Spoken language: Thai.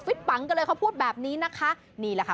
ปังกันเลยเขาพูดแบบนี้นะคะนี่แหละค่ะ